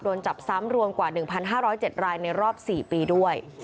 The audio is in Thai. โดนจับซ้ำรวมกว่า๑๕๐๗รายในรอบ๔ปีด้วย